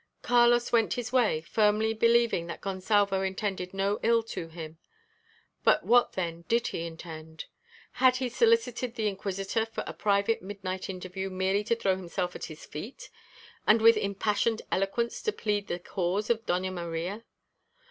Carlos went his way, firmly believing that Gonsalvo intended no ill to him. But what then did he intend? Had he solicited the Inquisitor for a private midnight interview merely to throw himself at his feet, and with impassioned eloquence to plead the cause of Doña Maria?